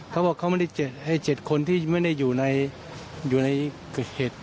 เขาบอกเขาไม่ได้ให้๗คนที่ไม่ได้อยู่ในเกิดเหตุ